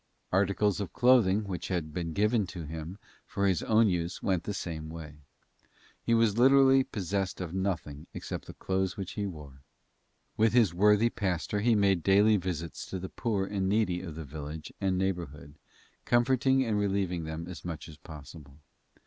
Articles of clothing which had been given to him for his own use went the same way. He was literally possessed of nothing except the clothes which he wore. With his worthy pastor he made daily visits to the poor and needy of the village and neighborhood, comforting and relieving them as much as possible.